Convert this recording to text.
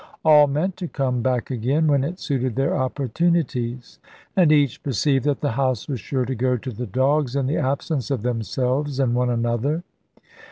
All meant to come back again, when it suited their opportunities, and each perceived that the house was sure to go to the dogs in the absence of themselves and one another.